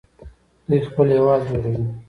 دوی خپل هیواد جوړوي.